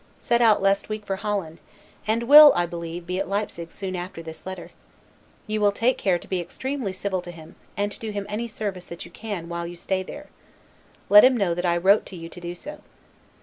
] set out last week for Holland, and will, I believe, be at Leipsig soon after this letter: you will take care to be extremely civil to him, and to do him any service that you can while you stay there; let him know that I wrote to you to do so.